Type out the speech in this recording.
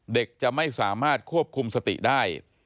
เด็กจะไม่สามารถควบคุมสติได้